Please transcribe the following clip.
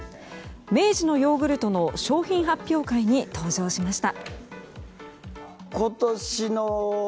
明治のヨーグルトの商品発表会に登場しました。